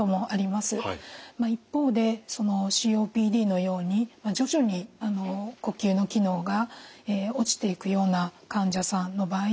一方でＣＯＰＤのように徐々に呼吸の機能が落ちていくような患者さんの場合にはですね